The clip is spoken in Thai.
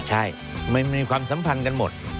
ใช่มันมีความสัมพันธ์กันหมด